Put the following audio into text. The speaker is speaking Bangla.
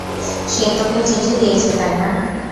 সে তোকে চিঠি দিয়েছে, তাই না?